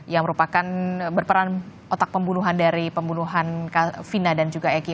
yang merupakan berperan otak pembunuhan dari pembunuhan vina dan juga egy